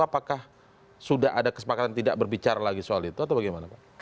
apakah sudah ada kesepakatan tidak berbicara lagi soal itu atau bagaimana pak